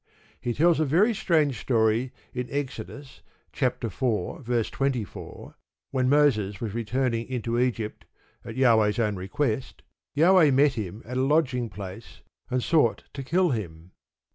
He tells a very strange story in Exodus iv. 24, that when Moses was returning into Egypt, at Jahweh's own request, Jahweh met him at a lodging place, and sought to kill him.